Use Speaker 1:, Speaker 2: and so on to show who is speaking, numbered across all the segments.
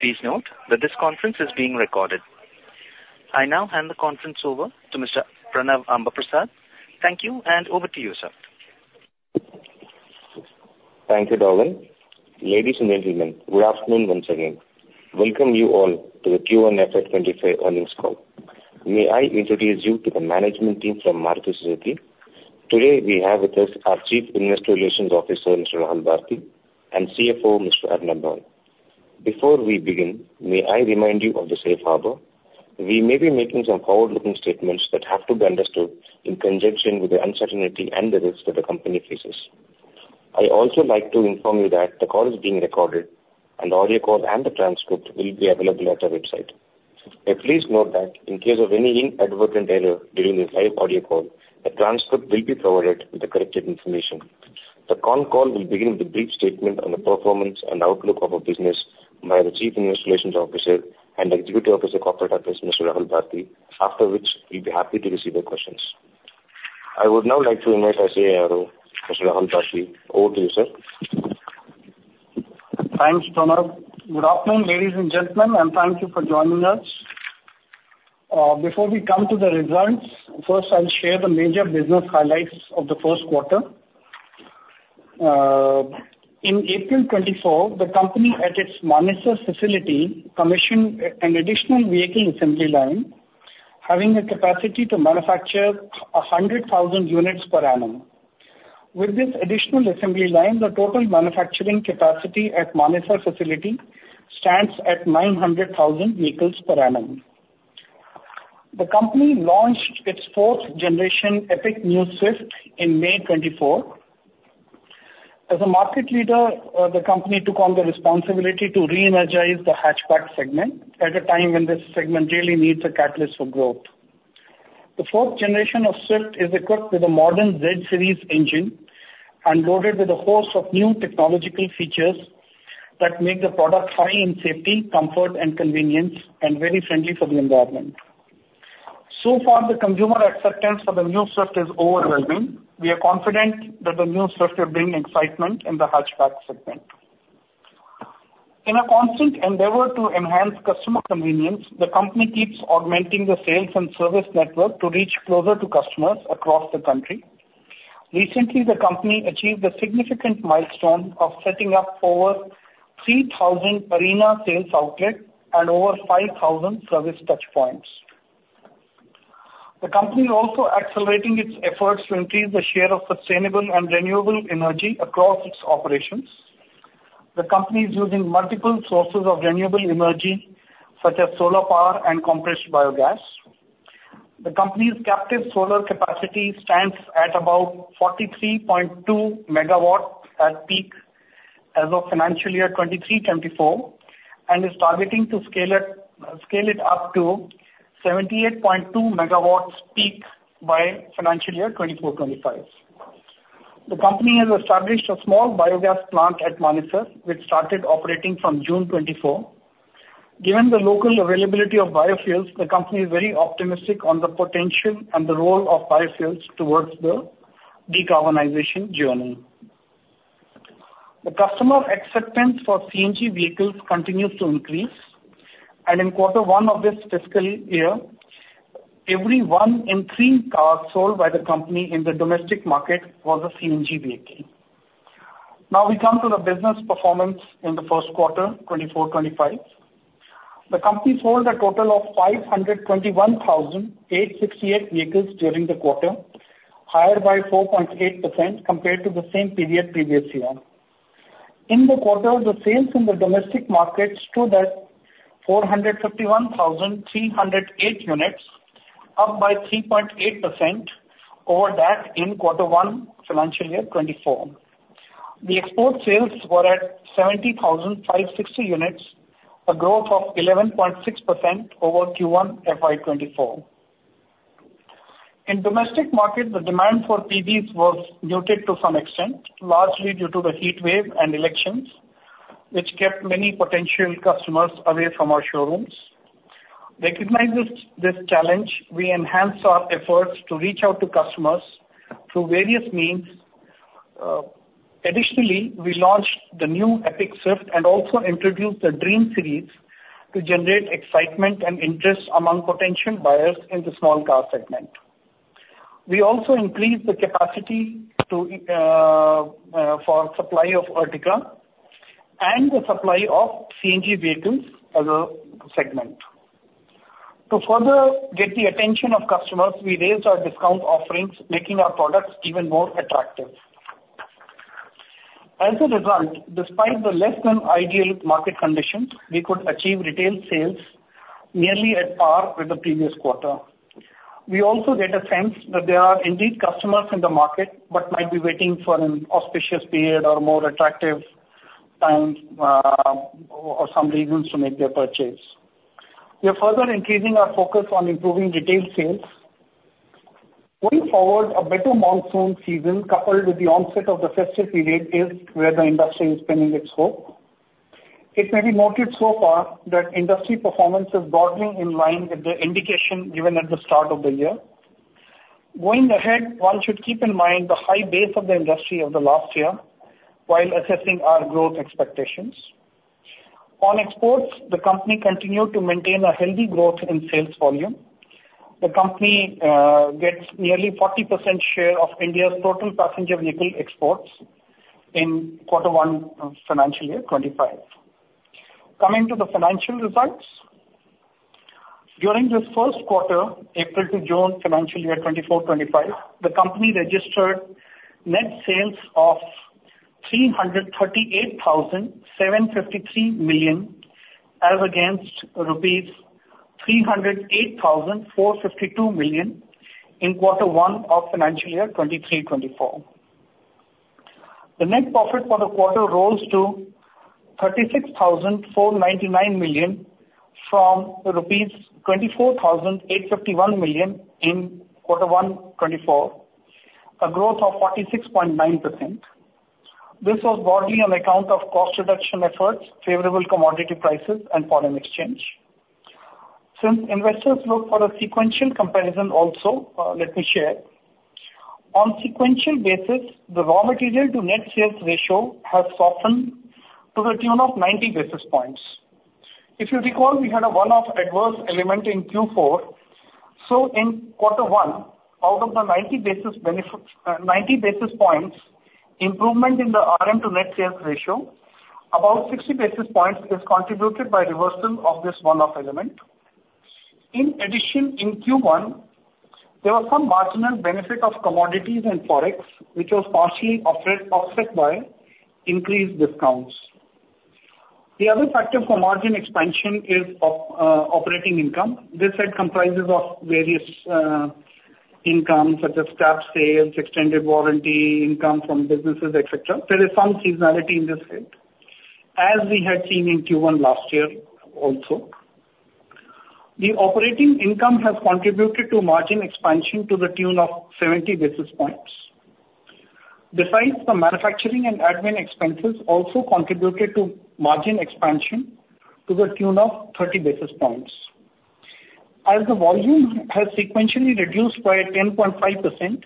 Speaker 1: Please note that this conference is being recorded. I now hand the conference over to Mr. Pranav Ambaprasad. Thank you, and over to you, sir.
Speaker 2: Thank you, Darwin. Ladies and gentlemen, good afternoon once again. Welcome you all to the Q1 FY25 earnings call. May I introduce you to the management team from Maruti Suzuki? Today, we have with us our Chief Investor Relations Officer, Mr. Rahul Bharti, and CFO, Mr. Arnab Roy. Before we begin, may I remind you of the safe harbor? We may be making some forward-looking statements that have to be understood in conjunction with the uncertainty and the risks that the company faces. I also like to inform you that the call is being recorded, and the audio call and the transcript will be available at our website. Please note that in case of any inadvertent error during this live audio call, the transcript will be provided with the corrected information. The conference call will begin with a brief statement on the performance and outlook of our business by the Chief Investor Relations Officer and Executive Officer, Corporate Office, Mr. Rahul Bharti, after which we'll be happy to receive your questions. I would now like to invite our CIRO, Mr. Rahul Bharti. Over to you, sir.
Speaker 3: Thanks, Pranav. Good afternoon, ladies and gentlemen, and thank you for joining us. Before we come to the results, first, I'll share the major business highlights of the first quarter. In April 2024, the company at its Manesar facility commissioned an additional vehicle assembly line, having a capacity to manufacture 100,000 units per annum. With this additional assembly line, the total manufacturing capacity at Manesar facility stands at 900,000 vehicles per annum. The company launched its fourth-generation Epic New Swift in May 2024. As a market leader, the company took on the responsibility to re-energize the hatchback segment at a time when this segment really needs a catalyst for growth. The fourth generation of Swift is equipped with a modern Z Series Engine and loaded with a host of new technological features that make the product high in safety, comfort, and convenience, and very friendly for the environment. So far, the consumer acceptance for the new Swift is overwhelming. We are confident that the new Swift will bring excitement in the hatchback segment. In a constant endeavor to enhance customer convenience, the company keeps augmenting the sales and service network to reach closer to customers across the country. Recently, the company achieved a significant milestone of setting up over 3,000 Arena sales outlets and over 5,000 service touchpoints. The company is also accelerating its efforts to increase the share of sustainable and renewable energy across its operations. The company is using multiple sources of renewable energy, such as solar power and compressed biogas. The company's captive solar capacity stands at about 43.2 megawatts at peak as of financial year 2023-2024 and is targeting to scale it up to 78.2 megawatts peak by financial year 2024-2025. The company has established a small biogas plant at Manesar, which started operating from June 2024. Given the local availability of biofuels, the company is very optimistic on the potential and the role of biofuels towards the decarbonization journey. The customer acceptance for CNG vehicles continues to increase, and in quarter one of this fiscal year, every one in three cars sold by the company in the domestic market was a CNG vehicle. Now, we come to the business performance in the first quarter, 2024-25. The company sold a total of 521,868 vehicles during the quarter, higher by 4.8% compared to the same period previous year. In the quarter, the sales in the domestic market stood at 451,308 units, up by 3.8% over that in quarter one, financial year 2024. The export sales were at 70,560 units, a growth of 11.6% over Q1 FY 2024. In the domestic market, the demand for PVs was muted to some extent, largely due to the heat wave and elections, which kept many potential customers away from our showrooms. Recognizing this challenge, we enhanced our efforts to reach out to customers through various means. Additionally, we launched the new Epic Swift and also introduced the Dream Series to generate excitement and interest among potential buyers in the small car segment. We also increased the capacity for supply of Ertiga and the supply of CNG vehicles as a segment. To further get the attention of customers, we raised our discount offerings, making our products even more attractive. As a result, despite the less-than-ideal market conditions, we could achieve retail sales nearly at par with the previous quarter. We also get a sense that there are indeed customers in the market but might be waiting for an auspicious period or a more attractive time or some reasons to make their purchase. We are further increasing our focus on improving retail sales. Going forward, a better monsoon season, coupled with the onset of the festive period, is where the industry is spending its hope. It may be noted so far that industry performance is broadly in line with the indication given at the start of the year. Going ahead, one should keep in mind the high base of the industry of the last year while assessing our growth expectations. On exports, the company continued to maintain a healthy growth in sales volume. The company gets nearly 40% share of India's total passenger vehicle exports in quarter one financial year 2025. Coming to the financial results, during this first quarter, April to June financial year 2024-25, the company registered net sales of 338,753 million as against rupees 308,452 million in quarter one of financial year 2023-24. The net profit for the quarter rose to 36,499 million from rupees 24,851 million in quarter one 2024, a growth of 46.9%. This was broadly on account of cost reduction efforts, favorable commodity prices, and foreign exchange. Since investors look for a sequential comparison also, let me share. On a sequential basis, the raw material to net sales ratio has softened to the tune of 90 basis points. If you recall, we had a one-off adverse element in Q4. So in quarter one, out of the 90 basis points, improvement in the RM to net sales ratio, about 60 basis points, is contributed by reversal of this one-off element. In addition, in Q1, there was some marginal benefit of commodities and forex, which was partially offset by increased discounts. The other factor for margin expansion is operating income. This comprises various incomes, such as scrap sales, extended warranty income from businesses, etc. There is some seasonality in this field, as we had seen in Q1 last year also. The operating income has contributed to margin expansion to the tune of 70 basis points. Besides, the manufacturing and admin expenses also contributed to margin expansion to the tune of 30 basis points. As the volume has sequentially reduced by 10.5%,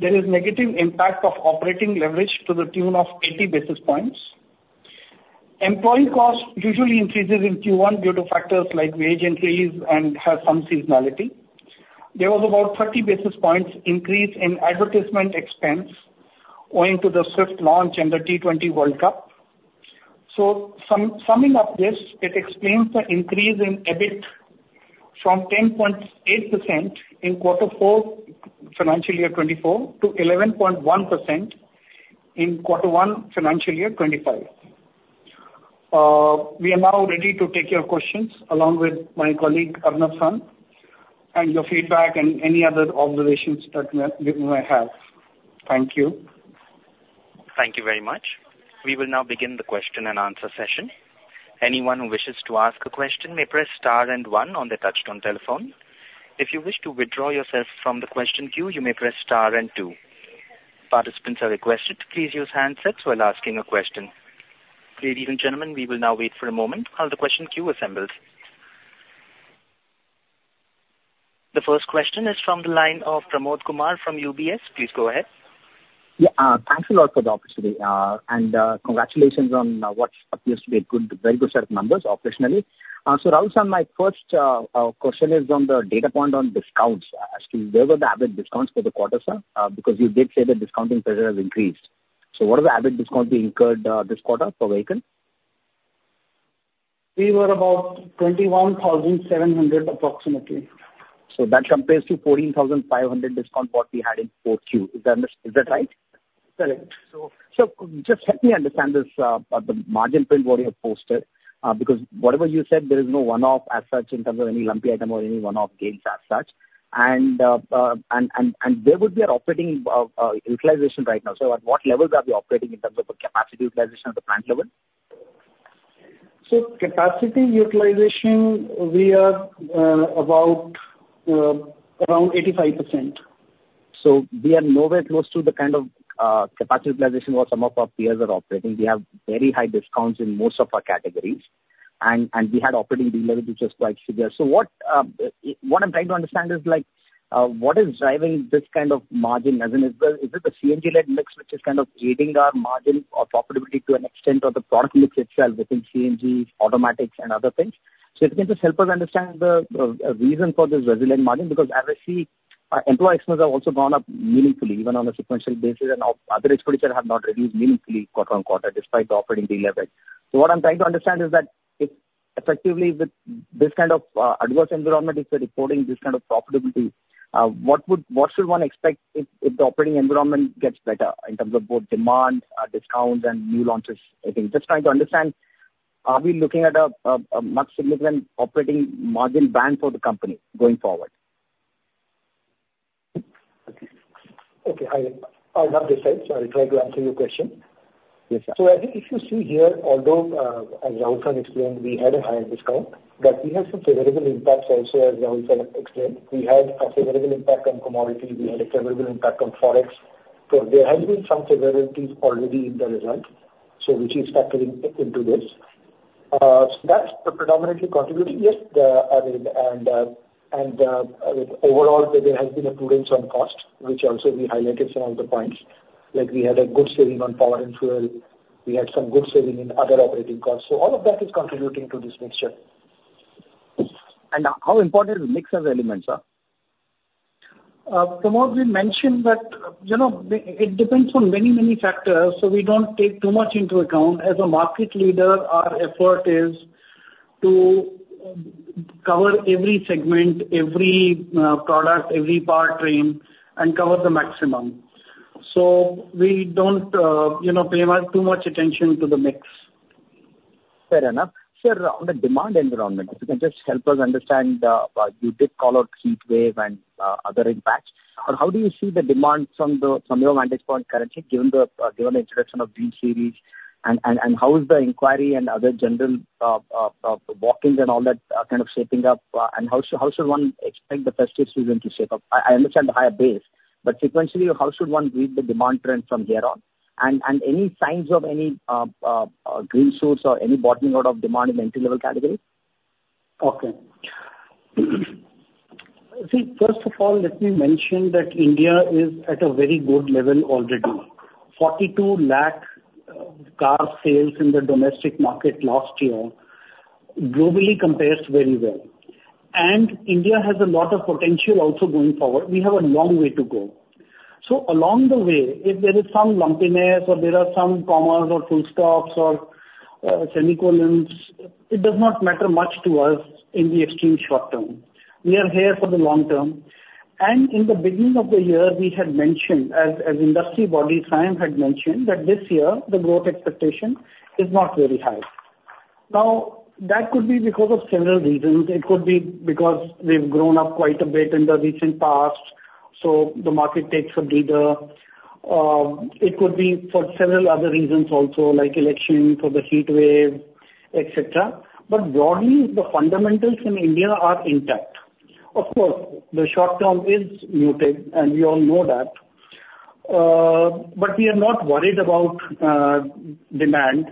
Speaker 3: there is a negative impact of operating leverage to the tune of 80 basis points. Employee cost usually increases in Q1 due to factors like wage increase and have some seasonality. There was about 30 basis points increase in advertisement expense owing to the Swift launch and the T20 World Cup. So summing up this, it explains the increase in EBIT from 10.8% in quarter four financial year 2024 to 11.1% in quarter one financial year 2025. We are now ready to take your questions along with my colleague Arnab Roy, and your feedback and any other observations that you may have. Thank you.
Speaker 1: Thank you very much. We will now begin the question and answer session. Anyone who wishes to ask a question may press star and one on the touch-tone telephone. If you wish to withdraw yourself from the question queue, you may press star and two. Participants are requested to please use handsets while asking a question. Ladies and gentlemen, we will now wait for a moment while the question queue assembles. The first question is from the line of Pramod Kumar from UBS. Please go ahead.
Speaker 4: Yeah, thanks a lot for the opportunity. Congratulations on what appears to be a very good set of numbers operationally. Rahul Bharti, my first question is on the data point on discounts. Actually, where were the average discounts for the quarter, sir? Because you did say the discounting pressure has increased. What are the average discounts being incurred this quarter per vehicle?
Speaker 3: We were about 21,700 approximately.
Speaker 4: That compares to 14,500 discount what we had in 4Q. Is that right?
Speaker 3: Correct.
Speaker 4: Just help me understand this, the margin print what you have posted, because whatever you said, there is no one-off as such in terms of any lumpy item or any one-off gains as such. Where would be our operating utilization right now, sir? At what level are we operating in terms of capacity utilization at the plant level?
Speaker 3: Capacity utilization, we are about around 85%.
Speaker 4: So we are nowhere close to the kind of capacity utilization what some of our peers are operating. We have very high discounts in most of our categories, and we had operating leverage which is quite severe. So what I'm trying to understand is what is driving this kind of margin? Is it the CNG-led mix which is kind of aiding our margin of operability to an extent or the product mix itself within CNG, automatics, and other things? So if you can just help us understand the reason for this resilient margin, because as I see, employee expenses have also gone up meaningfully, even on a sequential basis, and other expenditures have not reduced meaningfully quarter on quarter despite the operating leverage. So what I'm trying to understand is that effectively with this kind of adverse environment, it's reporting this kind of profitability. What should one expect if the operating environment gets better in terms of both demand, discounts, and new launches? Just trying to understand, are we looking at a much significant operating margin band for the company going forward?
Speaker 5: Okay. I'll have to say, so I'll try to answer your question.
Speaker 4: Yes, sir.
Speaker 5: So I think if you see here, although as Rahul Bharti explained, we had a higher discount, that we had some favorable impacts also, as Rahul Bharti explained. We had a favorable impact on commodity. We had a favorable impact on forex. So there has been some favorability already in the result, which is factoring into this. So that's predominantly contributing, yes, and overall, there has been a prudence on cost, which also we highlighted some of the points. We had a good saving on power and fuel. We had some good saving in other operating costs. So all of that is contributing to this mixture.
Speaker 4: How important is a mix of elements, sir?
Speaker 3: Pramod, we mentioned that it depends on many, many factors, so we don't take too much into account. As a market leader, our effort is to cover every segment, every product, every powertrain, and cover the maximum. So we don't pay too much attention to the mix.
Speaker 4: Fair enough. Sir, on the demand environment, if you can just help us understand what you did call out heat wave and other impacts, how do you see the demand from your vantage point currently, given the introduction of Dream Series, and how is the inquiry and other general walk-ins and all that kind of shaping up? And how should one expect the festive season to shape up? I understand the higher base, but sequentially, how should one read the demand trend from here on? And any signs of any green shoots or any bottoming out of demand in entry-level categories?
Speaker 3: Okay. See, first of all, let me mention that India is at a very good level already. 42 lakh car sales in the domestic market last year globally compares very well. And India has a lot of potential also going forward. We have a long way to go. So along the way, if there is some lumpiness or there are some commas or full stops or semicolons, it does not matter much to us in the extreme short term. We are here for the long term. And in the beginning of the year, we had mentioned, as industry body SIAM had mentioned, that this year, the growth expectation is not very high. Now, that could be because of several reasons. It could be because we've grown up quite a bit in the recent past, so the market takes a breather. It could be for several other reasons also, like elections or the heat wave, etc. But broadly, the fundamentals in India are intact. Of course, the short term is muted, and we all know that. But we are not worried about demand.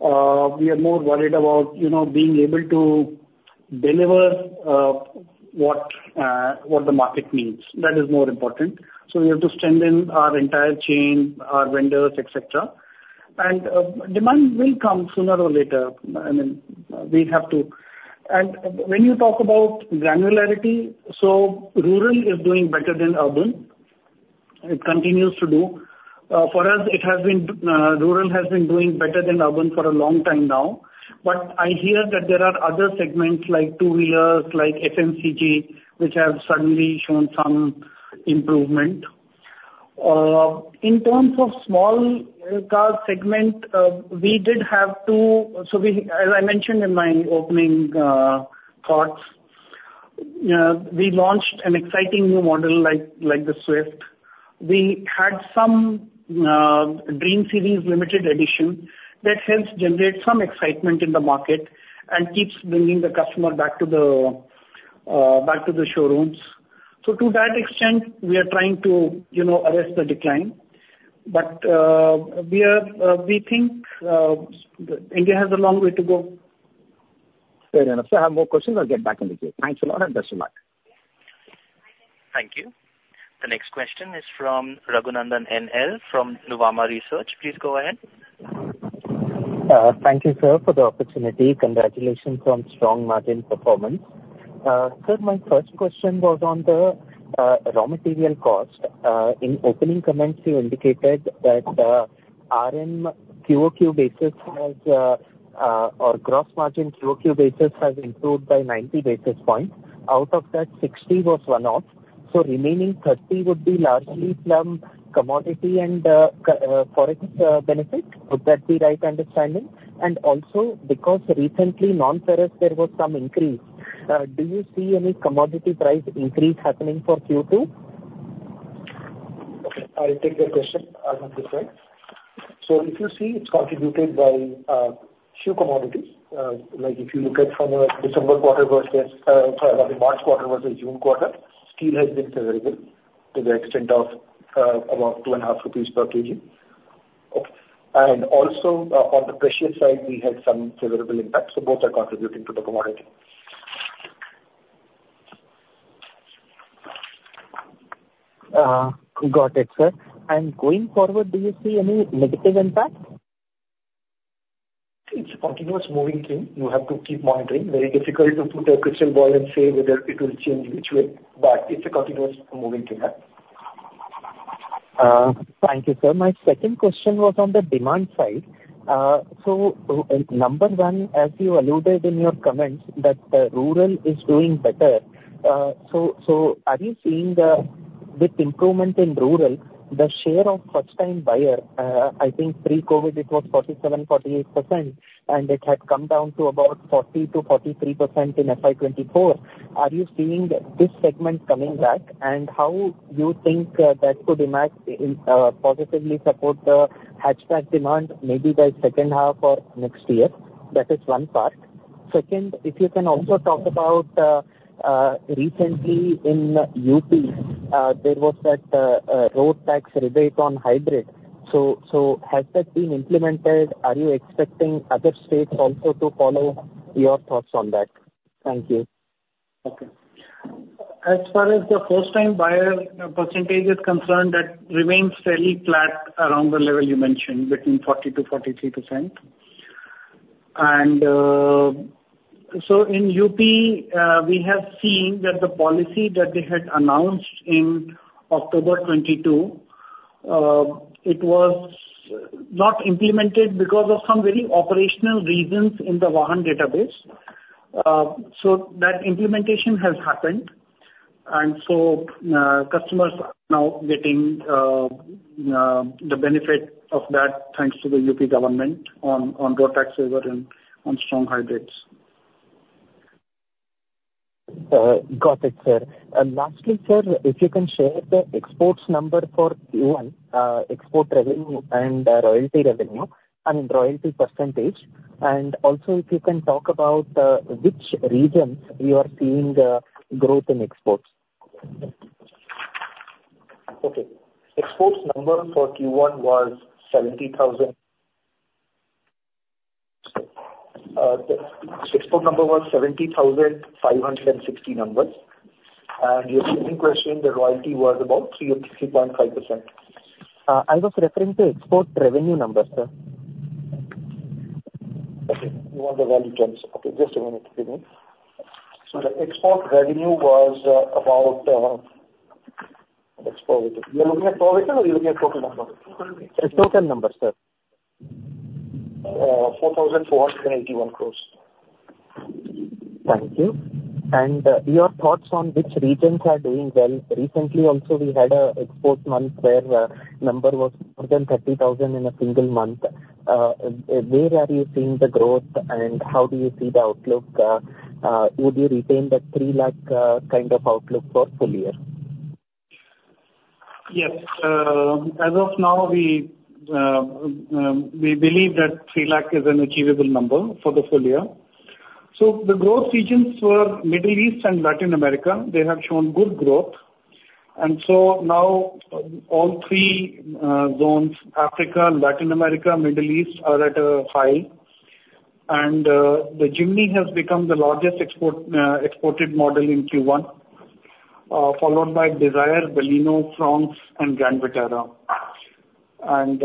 Speaker 3: We are more worried about being able to deliver what the market needs. That is more important. So we have to strengthen our entire chain, our vendors, etc. And demand will come sooner or later. I mean, we have to. And when you talk about granularity, so rural is doing better than urban. It continues to do. For us, rural has been doing better than urban for a long time now. But I hear that there are other segments like two-wheelers, like FMCG, which have suddenly shown some improvement. In terms of small car segment, we did have to, as I mentioned in my opening thoughts, we launched an exciting new model like the Swift. We had some Dream Series limited edition that helps generate some excitement in the market and keeps bringing the customer back to the showrooms. So to that extent, we are trying to arrest the decline. But we think India has a long way to go.
Speaker 4: Fair enough. Sir, I have more questions. I'll get back on the queue. Thanks a lot and best of luck.
Speaker 1: Thank you. The next question is from Raghunandan NL from Nuvama Research. Please go ahead.
Speaker 6: Thank you, sir, for the opportunity. Congratulations on strong margin performance. Sir, my first question was on the raw material cost. In opening comments, you indicated that RM QOQ basis or gross margin QOQ basis has improved by 90 basis points. Out of that, 60 was one-off. So remaining 30 would be largely from commodity and forex benefit. Would that be right understanding? And also, because recently non-ferrous, there was some increase. Do you see any commodity price increase happening for Q2?
Speaker 5: Okay. I'll take the question. I'll have to say. So if you see, it's contributed by a few commodities. If you look at from a December quarter versus March quarter versus June quarter, steel has been favorable to the extent of about 2.5 rupees per kg. And also, on the precious side, we had some favorable impacts. So both are contributing to the commodity.
Speaker 6: Got it, sir. Going forward, do you see any negative impact?
Speaker 5: It's a continuous moving thing. You have to keep monitoring. Very difficult to put a crystal ball and say whether it will change which way. But it's a continuous moving thing.
Speaker 6: Thank you, sir. My second question was on the demand side. So number one, as you alluded in your comments, that rural is doing better. So are you seeing with improvement in rural, the share of first-time buyer, I think pre-COVID, it was 47%, 48%, and it had come down to about 40%-43% in FY 2024. Are you seeing this segment coming back? And how do you think that could positively support the hatchback demand, maybe by second half or next year? That is one part. Second, if you can also talk about recently in UP, there was that road tax rebate on hybrid. So has that been implemented? Are you expecting other states also to follow? Your thoughts on that. Thank you.
Speaker 3: Okay. As far as the first-time buyer percentage is concerned, that remains fairly flat around the level you mentioned, between 40%-43%. So in UP, we have seen that the policy that they had announced in October 2022, it was not implemented because of some very operational reasons in the Vahan database. So that implementation has happened. And so customers are now getting the benefit of that thanks to the UP government on road tax waiver and on strong hybrids.
Speaker 6: Got it, sir. And lastly, sir, if you can share the exports number for Q1, export revenue and royalty revenue, I mean, royalty percentage. And also, if you can talk about which regions you are seeing growth in exports.
Speaker 5: Okay. Exports number for Q1 was 70,000. Export number was 70,560 numbers. And your second question, the royalty was about 3.5%.
Speaker 6: I was referring to export revenue number, sir.
Speaker 5: Okay. You want the value terms. Okay. Just a minute. So the export revenue was about.
Speaker 3: You're looking at total or you're looking at total number?
Speaker 5: Total.
Speaker 6: Total number, sir.
Speaker 5: 4,481 crores.
Speaker 6: Thank you. And your thoughts on which regions are doing well? Recently, also, we had an export month where number was more than 30,000 in a single month. Where are you seeing the growth, and how do you see the outlook? Would you retain that 300,000 kind of outlook for full year?
Speaker 3: Yes. As of now, we believe that 300,000 is an achievable number for the full year. So the growth regions were Middle East and Latin America. They have shown good growth. And so now all three zones, Africa, Latin America, Middle East, are at a high. And the Jimny has become the largest exported model in Q1, followed by Dzire, Baleno, Fronx, and Grand Vitara. And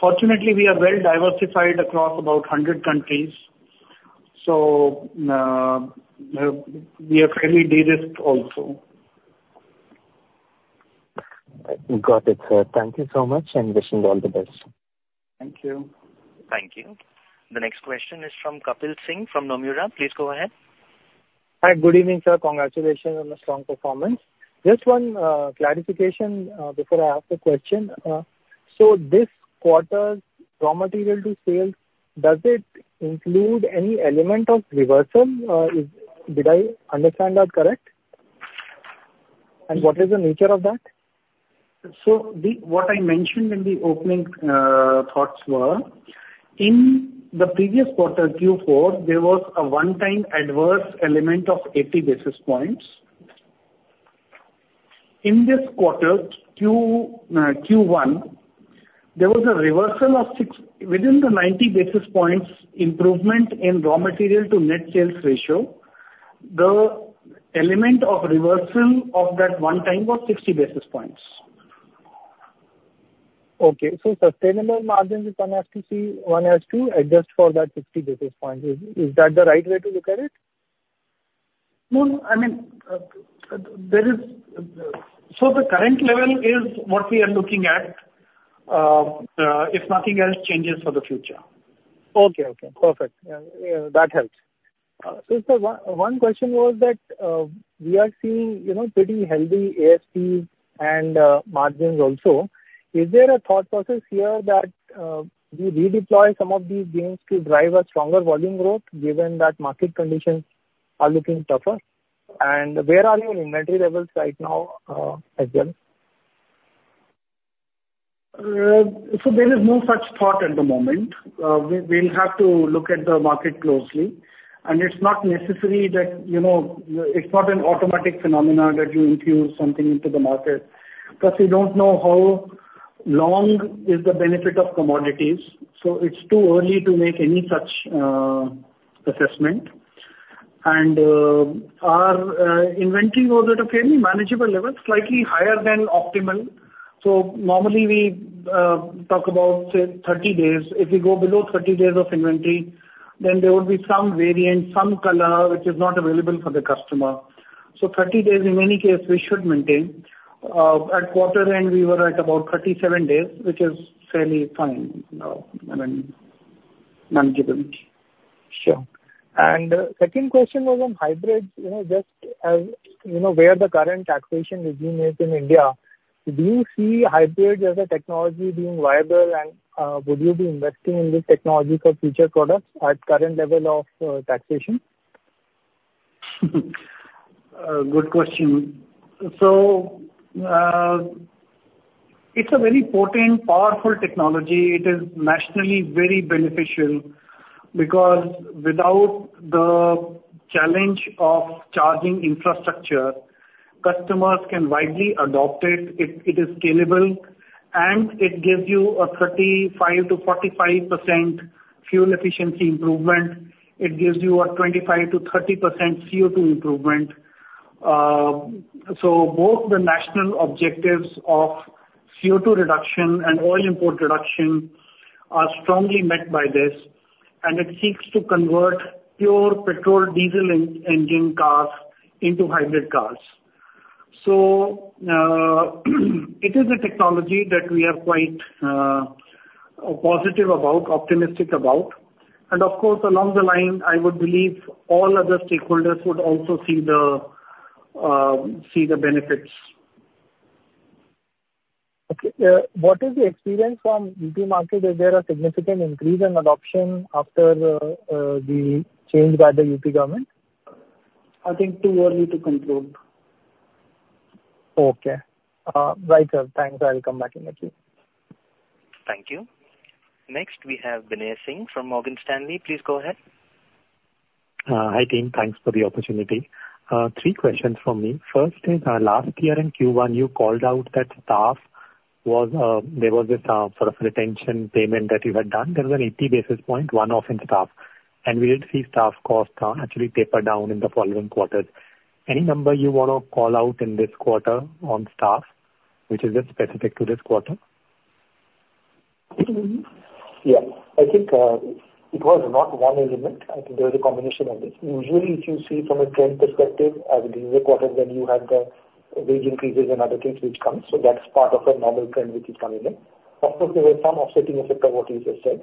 Speaker 3: fortunately, we are well diversified across about 100 countries. So we are fairly de-risked also.
Speaker 6: Got it, sir. Thank you so much and wishing all the best.
Speaker 3: Thank you.
Speaker 1: Thank you. The next question is from Kapil Singh from Nomura. Please go ahead.
Speaker 7: Hi, good evening, sir. Congratulations on the strong performance. Just one clarification before I ask the question. So this quarter's raw material to sale, does it include any element of reversal? Did I understand that correct? And what is the nature of that?
Speaker 3: What I mentioned in the opening thoughts were, in the previous quarter, Q4, there was a one-time adverse element of 80 basis points. In this quarter, Q1, there was a reversal of within the 90 basis points improvement in raw material to net sales ratio. The element of reversal of that one time was 60 basis points.
Speaker 7: Okay. So sustainable margin is one has to see one has to adjust for that 60 basis points. Is that the right way to look at it?
Speaker 3: No, no. I mean, so the current level is what we are looking at, if nothing else changes for the future.
Speaker 7: Okay. Okay. Perfect. That helps. So sir, one question was that we are seeing pretty healthy ASPs and margins also. Is there a thought process here that we redeploy some of these gains to drive a stronger volume growth, given that market conditions are looking tougher? And where are your inventory levels right now as well?
Speaker 3: So there is no such thought at the moment. We'll have to look at the market closely. And it's not necessary that it's not an automatic phenomenon that you infuse something into the market. Plus, we don't know how long is the benefit of commodities. So it's too early to make any such assessment. And our inventory was at a fairly manageable level, slightly higher than optimal. So normally, we talk about, say, 30 days. If we go below 30 days of inventory, then there will be some variant, some color, which is not available for the customer. So 30 days, in any case, we should maintain. At quarter end, we were at about 37 days, which is fairly fine, I mean, manageability.
Speaker 7: Sure. Second question was on hybrids. Just where the current taxation regime is in India, do you see hybrids as a technology being viable, and would you be investing in this technology for future products at current level of taxation?
Speaker 3: Good question. So it's a very potent, powerful technology. It is nationally very beneficial because without the challenge of charging infrastructure, customers can widely adopt it. It is scalable, and it gives you a 35%-45% fuel efficiency improvement. It gives you a 25%-30% CO2 improvement. So both the national objectives of CO2 reduction and oil import reduction are strongly met by this. And it seeks to convert pure petrol diesel engine cars into hybrid cars. So it is a technology that we are quite positive about, optimistic about. And of course, along the line, I would believe all other stakeholders would also see the benefits.
Speaker 7: Okay. What is the experience from UP market? Is there a significant increase in adoption after the change by the UP government?
Speaker 3: I think too early to control.
Speaker 7: Okay. Right, sir. Thanks. I'll come back in a few.
Speaker 1: Thank you. Next, we have Binay Singh from Morgan Stanley. Please go ahead.
Speaker 8: Hi team. Thanks for the opportunity. Three questions for me. First is, last year in Q1, you called out that there was this sort of retention payment that you had done. There was an 80 basis point one-off in staff. And we did see staff cost actually taper down in the following quarters. Any number you want to call out in this quarter on staff, which is specific to this quarter?
Speaker 5: Yeah. I think it was not one element. I think there was a combination of this. Usually, if you see from a trend perspective, I would use a quarter when you have the wage increases and other things which come. So that's part of a normal trend which is coming in. Of course, there were some offsetting effect of what you just said.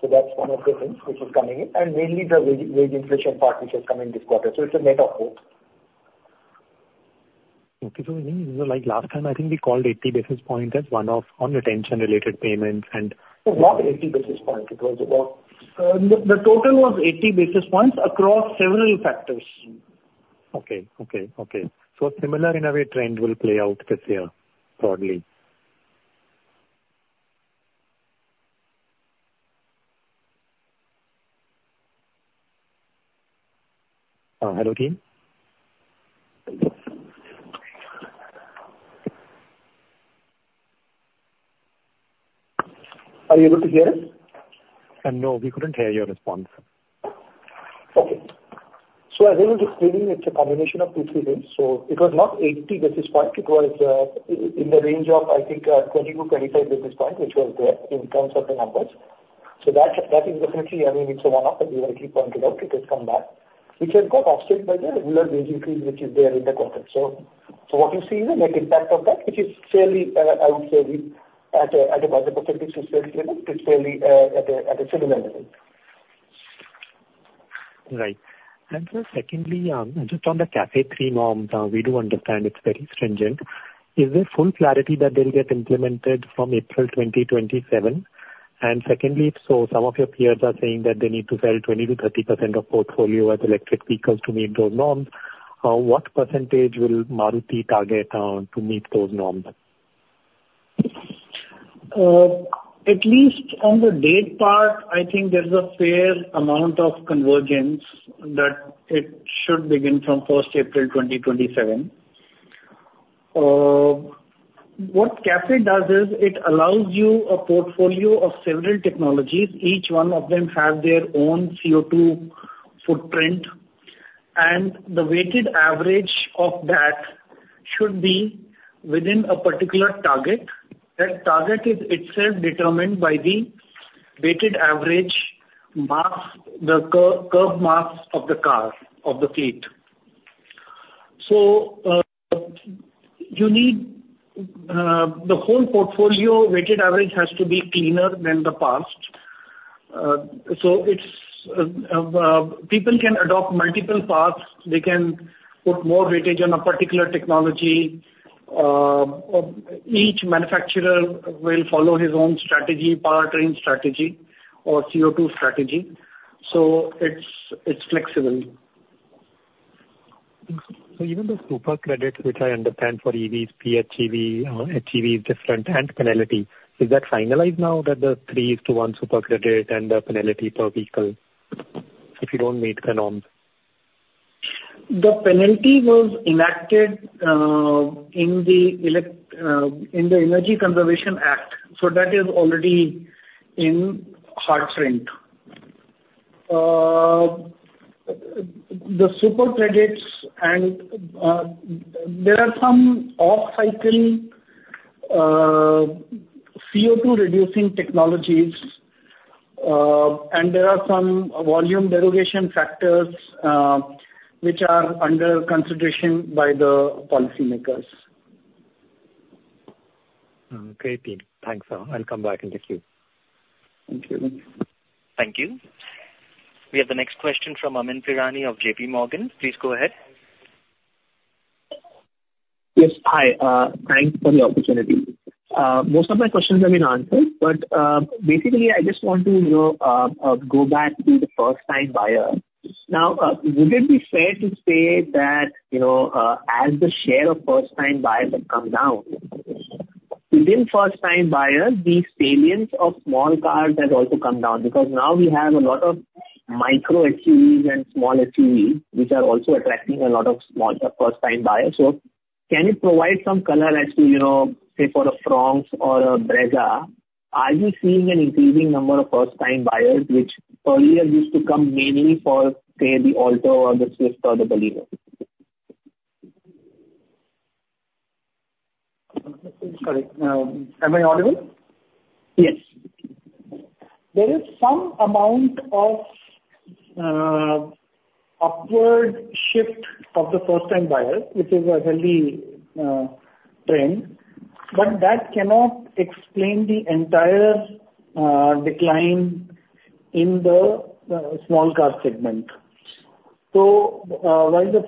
Speaker 5: So that's one of the things which is coming in. And mainly the wage inflation part which has come in this quarter. So it's a net effect.
Speaker 8: Okay. Last time, I think we called 80 basis point as one-off on retention-related payments and.
Speaker 3: It was not 80 basis points. It was about the total was 80 basis points across several factors.
Speaker 8: Okay. Okay. Okay. So a similar innovative trend will play out this year broadly. Hello, team?
Speaker 5: Are you able to hear us?
Speaker 8: No, we couldn't hear your response.
Speaker 5: Okay. So as I was explaining, it's a combination of two things. So it was not 80 basis point. It was in the range of, I think, 20-25 basis point, which was there in terms of the numbers. So that is definitely, I mean, it's a one-off that we already pointed out. It has come back, which has got offset by the regular wage increase, which is there in the quarter. So what you see is a net impact of that, which is fairly, I would say, at a budget perspective, it's fairly at a similar level.
Speaker 8: Right. And sir, secondly, just on the CAFE-3 norms, we do understand it's very stringent. Is there full clarity that they'll get implemented from April 2027? And secondly, if so, some of your peers are saying that they need to sell 20%-30% of portfolio as electric vehicles to meet those norms. What percentage will Maruti target to meet those norms?
Speaker 3: At least on the date part, I think there's a fair amount of convergence that it should begin from 1st April 2027. What CAFE does is it allows you a portfolio of several technologies. Each one of them has their own CO2 footprint. The weighted average of that should be within a particular target. That target is itself determined by the weighted average curb mass of the car, of the fleet. So you need the whole portfolio weighted average has to be cleaner than the past. So people can adopt multiple paths. They can put more weightage on a particular technology. Each manufacturer will follow his own strategy, power train strategy, or CO2 strategy. So it's flexible.
Speaker 8: So even the super credits, which I understand for EVs, PHEV, HEV is different and penalty. Is that finalized now that the 3-to-1 super credit and the penalty per vehicle if you don't meet the norms?
Speaker 3: The penalty was enacted in the Energy Conservation Act. So that is already in hard print. The super credits, and there are some off-cycle CO2-reducing technologies, and there are some volume derogation factors which are under consideration by the policymakers.
Speaker 8: Okay, team. Thanks, sir. I'll come back into Q.
Speaker 3: Thank you.
Speaker 1: Thank you. We have the next question from Amyn Pirani of J.P. Morgan. Please go ahead.
Speaker 9: Yes. Hi. Thanks for the opportunity. Most of my questions have been answered, but basically, I just want to go back to the first-time buyer. Now, would it be fair to say that as the share of first-time buyers has come down, within first-time buyers, the salience of small cars has also come down because now we have a lot of micro SUVs and small SUVs which are also attracting a lot of first-time buyers? So can it provide some color as to, say, for a Fronx or a Brezza? Are you seeing an increasing number of first-time buyers which earlier used to come mainly for, say, the Alto or the Swift or the Baleno?
Speaker 3: Sorry. Am I audible?
Speaker 9: Yes.
Speaker 3: There is some amount of upward shift of the first-time buyers, which is a healthy trend, but that cannot explain the entire decline in the small car segment. So while the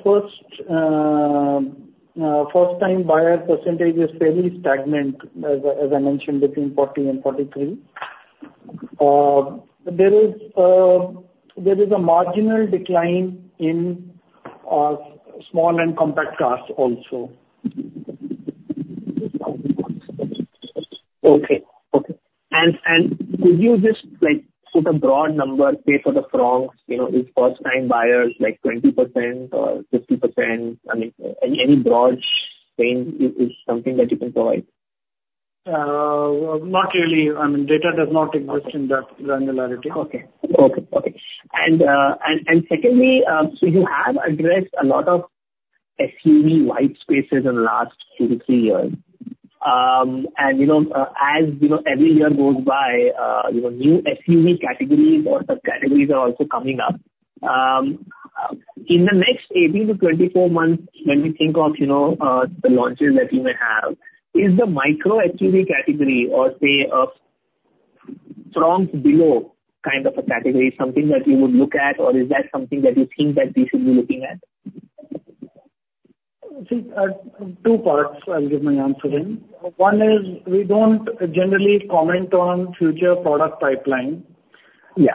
Speaker 3: first-time buyer percentage is fairly stagnant, as I mentioned, between 40 and 43, there is a marginal decline in small and compact cars also.
Speaker 9: Okay. Okay. And could you just put a broad number, say, for the Fronx, first-time buyers, like 20% or 50%? I mean, any broad range is something that you can provide?
Speaker 3: Not really. I mean, data does not exist in that granularity.
Speaker 9: Okay. Okay. Okay. Secondly, so you have addressed a lot of SUV white spaces in the last two to three years. As every year goes by, new SUV categories or subcategories are also coming up. In the next 18-24 months, when we think of the launches that you may have, is the micro SUV category or, say, a Fronx below kind of a category something that you would look at, or is that something that you think that we should be looking at?
Speaker 3: Two parts I'll give my answer in. One is, we don't generally comment on future product pipeline.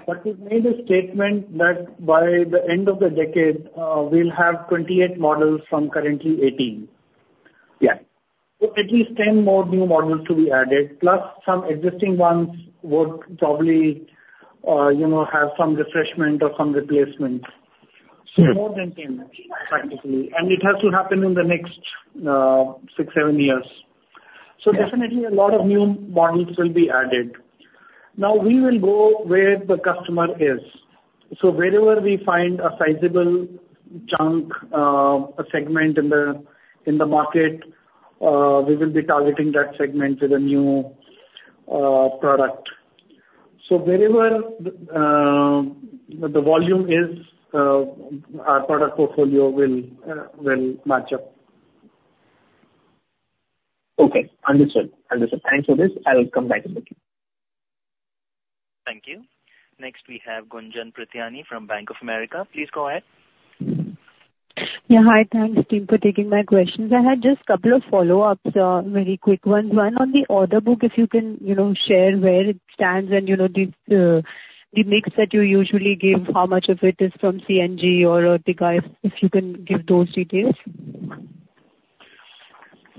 Speaker 3: But we've made a statement that by the end of the decade, we'll have 28 models from currently 18. So at least 10 more new models to be added, plus some existing ones would probably have some refreshment or some replacement. So more than 10, practically. It has to happen in the next six, seven years. So definitely, a lot of new models will be added. Now, we will go where the customer is. So wherever we find a sizable chunk, a segment in the market, we will be targeting that segment with a new product. So wherever the volume is, our product portfolio will match up.
Speaker 9: Okay. Understood. Understood. Thanks for this. I'll come back into Q.
Speaker 1: Thank you. Next, we have Gunjan Prithyani from Bank of America. Please go ahead.
Speaker 10: Yeah. Hi. Thanks, team, for taking my questions. I had just a couple of follow-ups, very quick ones. One on the order book, if you can share where it stands and the mix that you usually give, how much of it is from CNG or RTG, if you can give those details.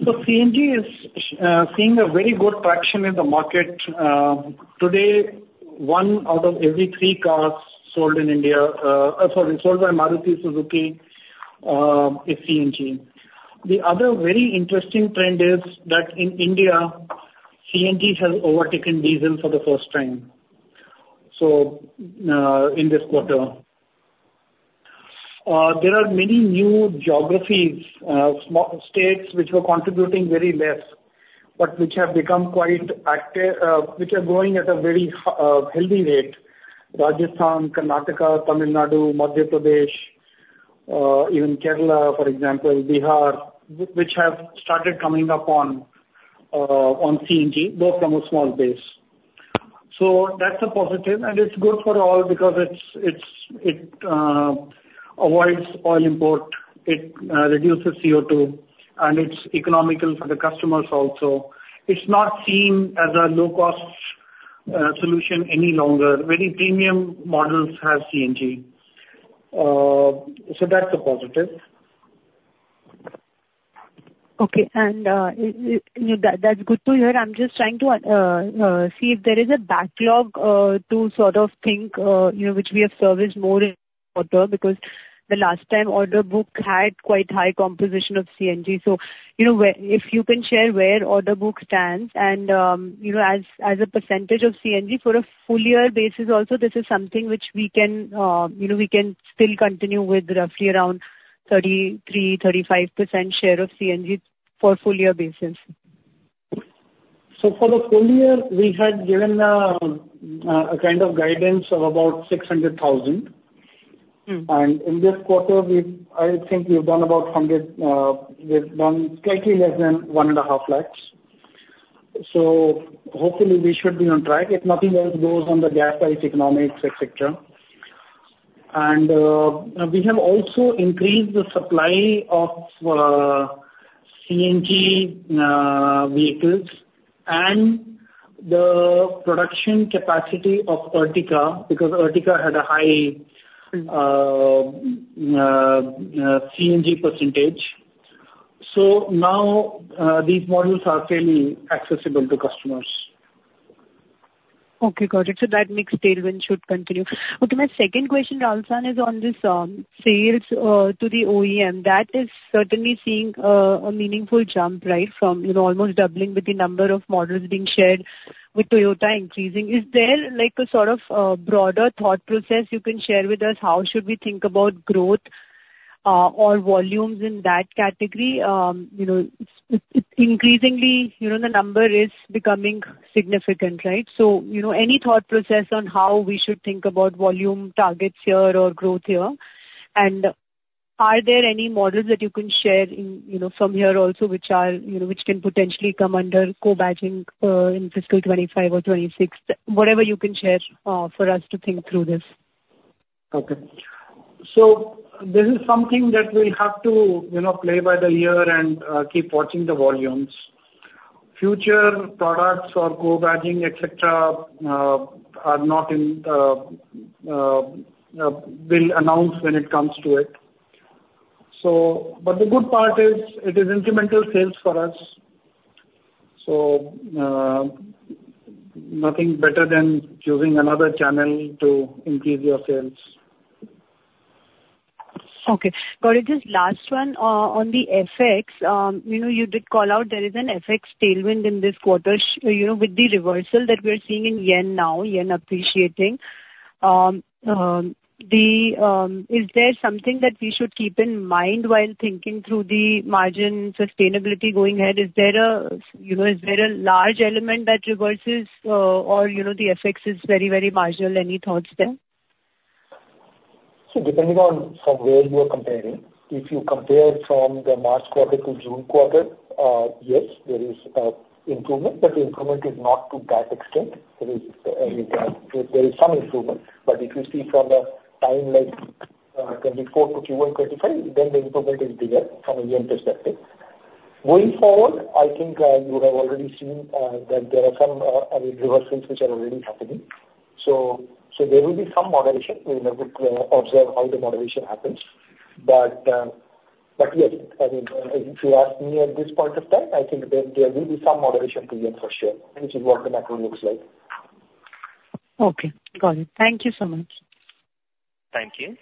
Speaker 3: So CNG is seeing a very good traction in the market. Today, one out of every three cars sold in India, sorry, sold by Maruti Suzuki, is CNG. The other very interesting trend is that in India, CNG has overtaken diesel for the first time in this quarter. There are many new geographies, states, which were contributing very less, but which have become quite active, which are growing at a very healthy rate: Rajasthan, Karnataka, Tamil Nadu, Madhya Pradesh, even Kerala, for example, Bihar, which have started coming up on CNG, both from a small base. So that's a positive. It's good for all because it avoids oil import, it reduces CO2, and it's economical for the customers also. It's not seen as a low-cost solution any longer. Very premium models have CNG. So that's a positive.
Speaker 10: Okay. And that's good to hear. I'm just trying to see if there is a backlog to sort of think which we have serviced more in the quarter because the last time order book had quite high composition of CNG. So if you can share where order book stands and as a percentage of CNG for a full-year basis also, this is something which we can still continue with roughly around 33%-35% share of CNG for full-year basis.
Speaker 3: So for the full year, we had given a kind of guidance of about 600,000. And in this quarter, I think we've done about 100,000; we've done slightly less than 150,000. So hopefully, we should be on track if nothing else goes on the gas price economics, etc. And we have also increased the supply of CNG vehicles and the production capacity of Ertiga because Ertiga had a high CNG percentage. So now these models are fairly accessible to customers.
Speaker 10: Okay. Got it. That mixed tailwind should continue. Okay. My second question, Rahul, is on this sales to the OEM. That is certainly seeing a meaningful jump, right, from almost doubling with the number of models being shared with Toyota increasing. Is there a sort of broader thought process you can share with us? How should we think about growth or volumes in that category? Increasingly, the number is becoming significant, right? Any thought process on how we should think about volume targets here or growth here? And are there any models that you can share from here also which can potentially come under co-badging in fiscal 2025 or 2026? Whatever you can share for us to think through this.
Speaker 3: Okay. So this is something that we'll have to play by ear and keep watching the volumes. Future products or co-badging, etc., are not in the plan. We'll announce when it comes to it. But the good part is it is incremental sales for us. So nothing better than choosing another channel to increase your sales.
Speaker 10: Okay. Got it. Just last one. On the FX, you did call out there is an FX tailwind in this quarter with the reversal that we're seeing in yen now, yen appreciating. Is there something that we should keep in mind while thinking through the margin sustainability going ahead? Is there a large element that reverses or the FX is very, very marginal? Any thoughts there?
Speaker 5: So depending on from where you are comparing, if you compare from the March quarter to June quarter, yes, there is improvement, but the improvement is not to that extent. There is some improvement. But if you see from a time like 2024 to Q1 2025, then the improvement is bigger from a year perspective. Going forward, I think you have already seen that there are some reversals which are already happening. So there will be some moderation. We will observe how the moderation happens. But yes, I mean, if you ask me at this point of time, I think there will be some moderation to you for sure, which is what the macro looks like.
Speaker 10: Okay. Got it. Thank you so much.
Speaker 1: Thank you.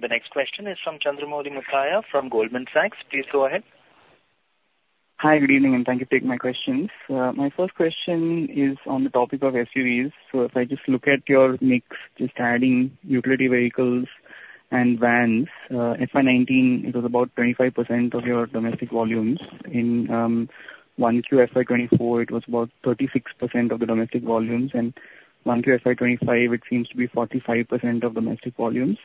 Speaker 1: The next question is from Chandramouli Muthiah from Goldman Sachs. Please go ahead.
Speaker 11: Hi. Good evening, and thank you for taking my questions. My first question is on the topic of SUVs. So if I just look at your mix, just adding utility vehicles and vans, FY19, it was about 25% of your domestic volumes. In 1Q FY24, it was about 36% of the domestic volumes. And 1Q FY25, it seems to be 45% of domestic volumes.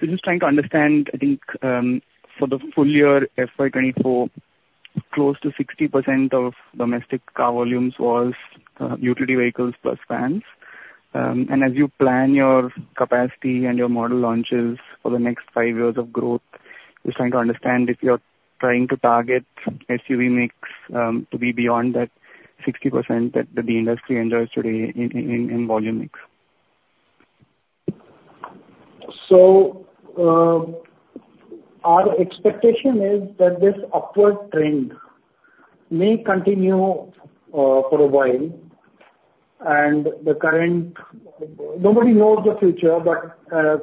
Speaker 11: So just trying to understand, I think for the full year FY24, close to 60% of domestic car volumes was utility vehicles plus vans. And as you plan your capacity and your model launches for the next five years of growth, just trying to understand if you're trying to target SUV mix to be beyond that 60% that the industry enjoys today in volume mix.
Speaker 3: So our expectation is that this upward trend may continue for a while. And currently, nobody knows the future, but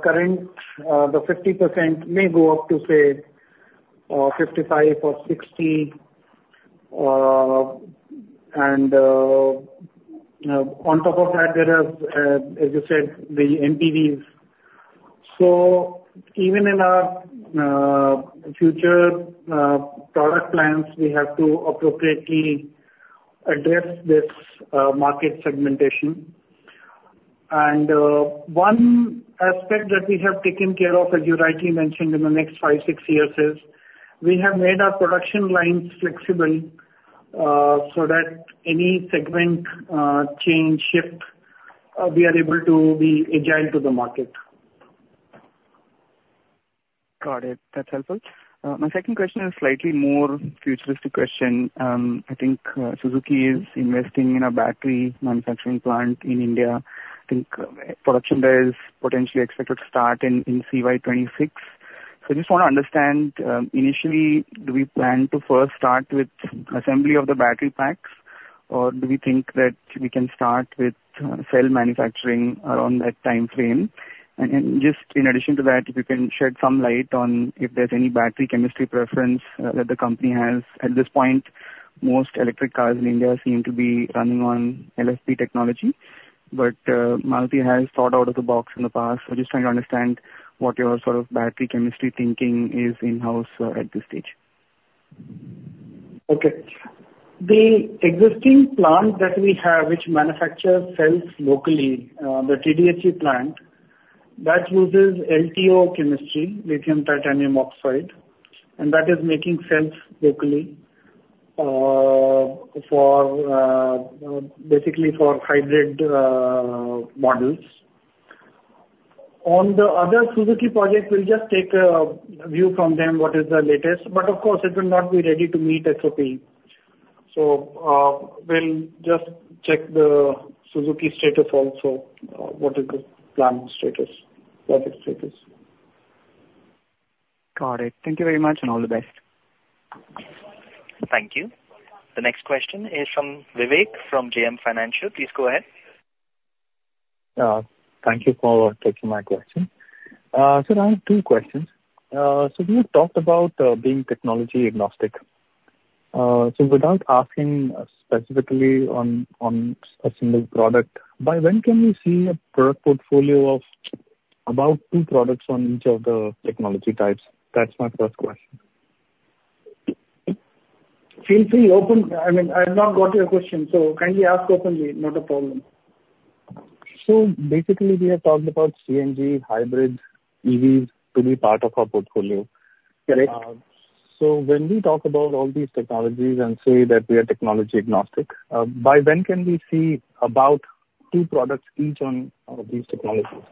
Speaker 3: currently, the 50% may go up to, say, 55 or 60. And on top of that, there is, as you said, the MPVs. So even in our future product plans, we have to appropriately address this market segmentation. And one aspect that we have taken care of, as you rightly mentioned, in the next 5-6 years is we have made our production lines flexible so that any segment change, shift, we are able to be agile to the market.
Speaker 11: Got it. That's helpful. My second question is a slightly more futuristic question. I think Suzuki is investing in a battery manufacturing plant in India. I think production there is potentially expected to start in CY 2026. So I just want to understand, initially, do we plan to first start with assembly of the battery packs, or do we think that we can start with cell manufacturing around that time frame? And just in addition to that, if you can shed some light on if there's any battery chemistry preference that the company has. At this point, most electric cars in India seem to be running on LFP technology, but Maruti has thought out of the box in the past. So just trying to understand what your sort of battery chemistry thinking is in-house at this stage.
Speaker 3: Okay. The existing plant that we have, which manufactures cells locally, the TDSG plant, that uses LTO chemistry, lithium titanium oxide, and that is making cells locally basically for hybrid models. On the other Suzuki project, we'll just take a view from them what is the latest. But of course, it will not be ready to meet SOP. So we'll just check the Suzuki status also, what is the planned status, project status.
Speaker 11: Got it. Thank you very much and all the best.
Speaker 1: Thank you. The next question is from Vivek from JM Financial. Please go ahead.
Speaker 12: Thank you for taking my question. So I have two questions. So we have talked about being technology agnostic. So without asking specifically on a single product, by when can we see a product portfolio of about two products on each of the technology types? That's my first question.
Speaker 3: Feel free to open. I mean, I have not got your question, so kindly ask openly. Not a problem.
Speaker 12: So basically, we have talked about CNG, hybrid, EVs to be part of our portfolio. So when we talk about all these technologies and say that we are technology agnostic, by when can we see about two products each on these technologies?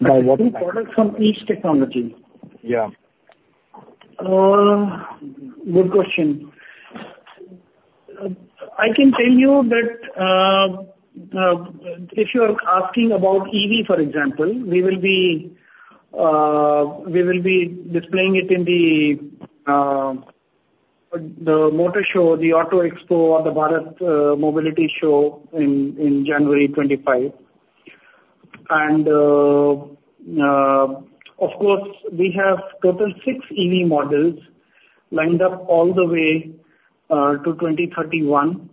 Speaker 3: Why two products on each technology?
Speaker 12: Yeah.
Speaker 3: Good question. I can tell you that if you are asking about EV, for example, we will be displaying it in the motor show, the Auto Expo, or the Bharat Mobility Show in January 2025. And of course, we have total six EV models lined up all the way to 2031.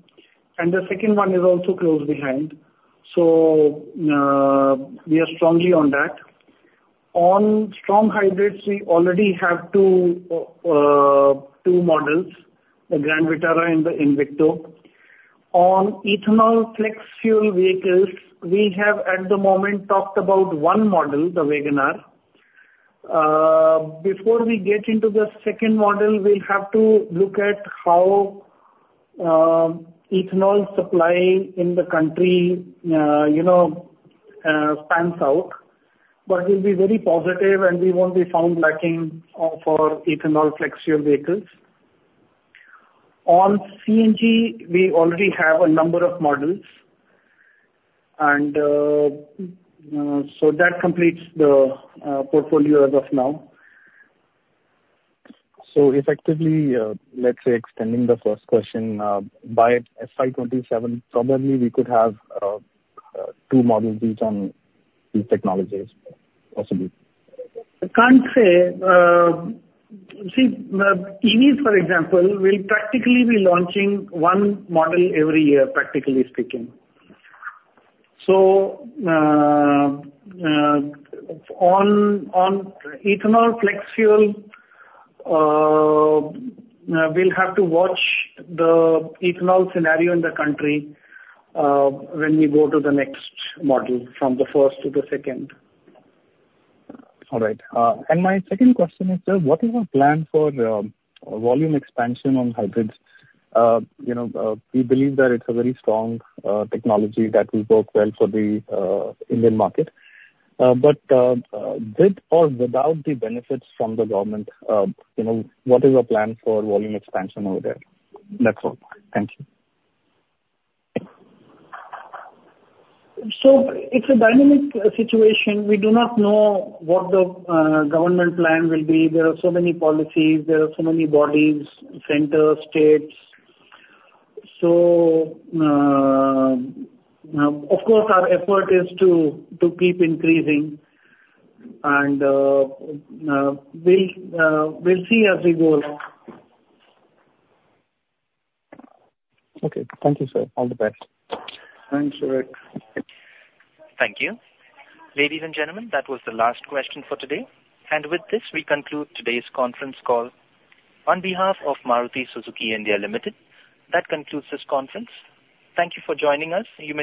Speaker 3: And the second one is also close behind. So we are strongly on that. On strong hybrids, we already have two models, the Grand Vitara and the Invicto. On ethanol flex fuel vehicles, we have at the moment talked about one model, the Wagon R. Before we get into the second model, we'll have to look at how ethanol supply in the country pans out. But we'll be very positive, and we won't be found lacking for ethanol flex fuel vehicles. On CNG, we already have a number of models. And so that completes the portfolio as of now.
Speaker 12: So effectively, let's say extending the first question, by FY27, probably we could have two models each on these technologies possibly.
Speaker 3: I can't say. See, EVs, for example, we'll practically be launching one model every year, practically speaking. So on ethanol flex fuel, we'll have to watch the ethanol scenario in the country when we go to the next model from the first to the second.
Speaker 12: All right. And my second question is, sir, what is our plan for volume expansion on hybrids? We believe that it's a very strong technology that will work well for the Indian market. But with or without the benefits from the government, what is our plan for volume expansion over there? That's all. Thank you.
Speaker 3: It's a dynamic situation. We do not know what the government plan will be. There are so many policies. There are so many bodies, centers, states. So of course, our effort is to keep increasing. We'll see as we go.
Speaker 12: Okay. Thank you, sir. All the best.
Speaker 3: Thanks, Vivek.
Speaker 1: Thank you. Ladies and gentlemen, that was the last question for today. With this, we conclude today's conference call. On behalf of Maruti Suzuki India Limited, that concludes this conference. Thank you for joining us. You may.